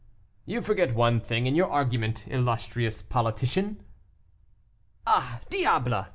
"You forget one thing in your argument, illustrious politician." "Ah, diable!